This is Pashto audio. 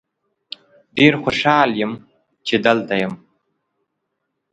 ډیر خوشحال یم چې دلته یم.